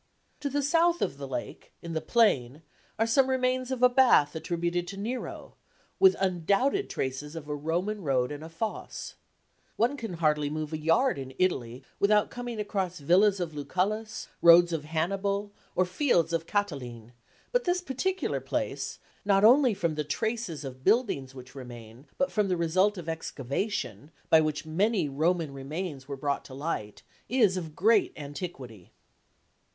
To the south of the lake, in the plain, are some remains of a bath attributed to Nero, with undoubted traces of a Roman road and a fosse. One can hardly move a yard in Italy without coming across villas of Lucullus, roads of Hannibal, or fields of Cataline, but this particular place, not only from the traces of buildings which remain, but from the result of excavation, by which many Roman remains were brought to light, is of great antiquity.